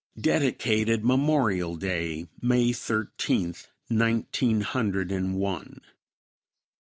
Dedicated Memorial Day, May Thirteenth, Nineteen Hundred and One.